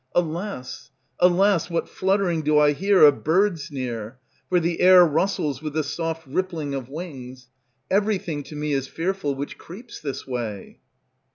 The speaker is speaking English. Alas! alas! what fluttering do I hear Of birds near? for the air rustles With the soft rippling of wings. Everything to me is fearful which creeps this way.